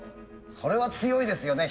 それは強いですよね